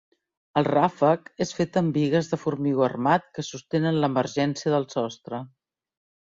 El ràfec és fet amb bigues de formigó armat que sostenen l’emergència del sostre.